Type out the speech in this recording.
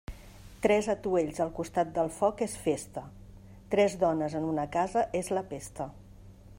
Tres atuells al costat del foc és festa; tres dones en una casa és la pesta.